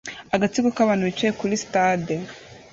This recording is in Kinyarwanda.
Agatsiko k'abantu bicaye kuri stade